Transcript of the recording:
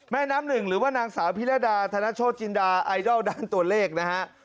แม่น้ำหนึ่งหรือว่านางสาวพิรดาธนโชธจินดาไอดอลด้านตัวเลขนะฮะ